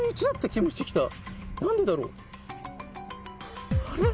何でだろうあれ？